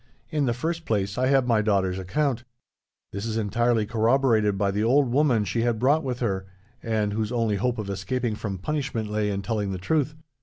'In the first place, I have my daughter's account. This is entirely corroborated by the old woman she had brought with her, and whose only hope of escaping from punishment lay in telling the truth.